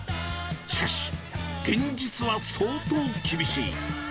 しかし、現実は相当厳しい。